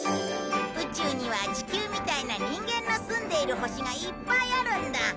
宇宙には地球みたいな人間の住んでいる星がいっぱいあるんだ。